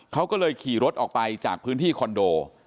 เขาก็เลยขี่รถออกไปจากพื้นที่คอนโด